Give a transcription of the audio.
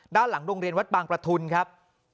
ด้านหลังโรงเรียนวัดบางประทุนครับ